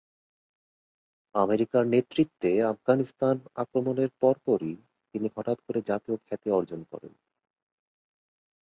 আমেরিকার নেতৃত্বে আফগানিস্তান আক্রমণের পরপরই তিনি হঠাৎ করে জাতীয় খ্যাতি অর্জন করেন।